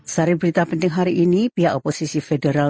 saring berita penting hari ini pihak oposisi federal